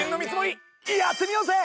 やってみようぜ！